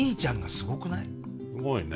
すごいね。